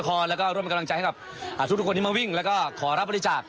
สงตครรมแล้วก็ร่วมเป็นกำลังใจให้ครับว่าทุกคนถึงมาวิ่งแล้วก็ขอรับบริจาค